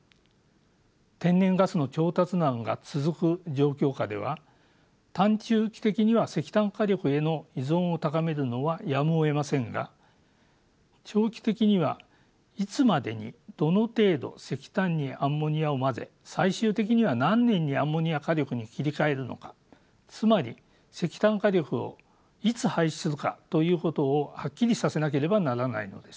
天然ガスの調達難が続く状況下では短・中期的には石炭火力への依存を高めるのはやむをえませんが長期的にはいつまでにどの程度石炭にアンモニアを混ぜ最終的には何年にアンモニア火力に切り替えるのかつまり石炭火力をいつ廃止するかということをはっきりさせなければならないのです。